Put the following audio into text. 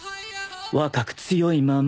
若く強いまま。